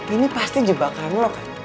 ini pasti jebakan lo kan